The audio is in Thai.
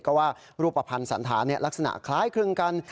ก็ว่ารูปภัณฑ์สันธารลักษณะคล้ายคลึงกัน